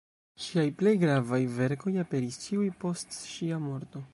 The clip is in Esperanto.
Ŝiaj plej gravaj verkoj aperis ĉiuj post ŝia morto.